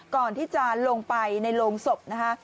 ก่อนที่จะลงไปในโรงศพนะคะ